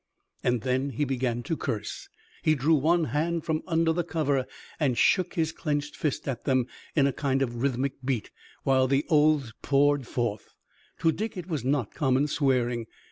And then he began to curse. He drew one hand from under the cover and shook his clenched fist at them in a kind of rhythmic beat while the oaths poured forth. To Dick it was not common swearing.